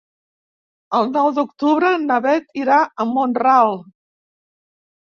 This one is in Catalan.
El nou d'octubre na Beth irà a Mont-ral.